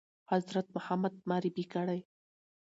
حضرت محمد معرفي کړی ؟